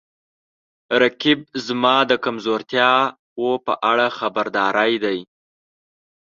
رقیب زما د کمزورتیاو په اړه خبرداری دی